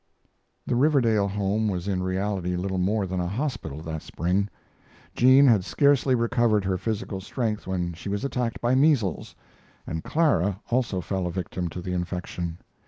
The Riverdale home was in reality little more than a hospital that spring. Jean had scarcely recovered her physical strength when she was attacked by measles, and Clara also fell a victim to the infection.